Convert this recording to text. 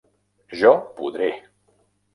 Jo podré!